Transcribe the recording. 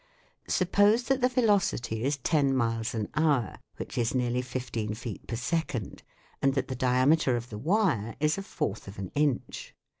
Suppose that the velocity is ten miles an hour, which is nearly fifteen feet per second, and that the diameter of the wire is a fourth of an inch.